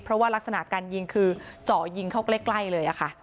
เพราะว่ารักษณะการยิงคือเจาะยิงเข้าใกล้เลยค่ะ